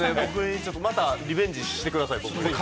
またリベンジしてください僕に。